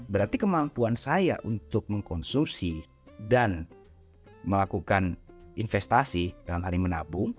berarti kemampuan saya untuk mengkonsumsi dan melakukan investasi dalam hal ini menabung